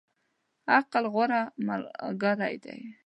عقل، غوره ملګری دی.